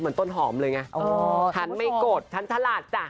เหมือนต้นหอมเลยไงฉันไม่กดฉันฉลาดจ้ะ